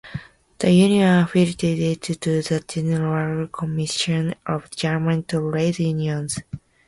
The union affiliated to the General Commission of German Trade Unions.